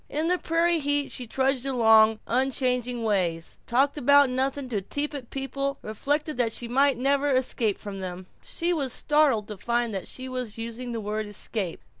In the prairie heat she trudged along unchanging ways, talked about nothing to tepid people, and reflected that she might never escape from them. She was startled to find that she was using the word "escape."